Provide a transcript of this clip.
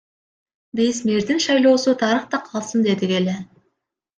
Биз мэрдин шайлоосу тарыхта калсын дедик эле.